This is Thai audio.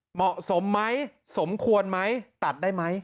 เหมาะสมไหมสมควรไหมตัดได้ไหม